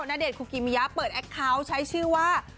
ณเดชนคุกิมิยะเปิดแอคเคาน์ใช้ชื่อว่า